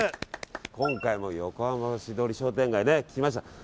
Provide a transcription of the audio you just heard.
今回も横浜橋通商店街に来ました。